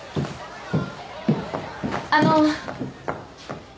あの。